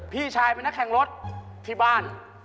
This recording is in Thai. พี่ชายเป็นนักแข่งรถที่บ้าน